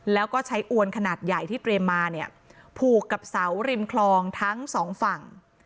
แล้วก็ใช้อวนขนาดใหญ่ที่เตรียมมาเนี่ยผูกกับเสาริมคลองทั้งสองฝั่ง